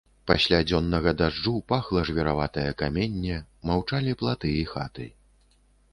Пасля дзённага дажджу пахла жвіраватае каменне, маўчалі платы і хаты.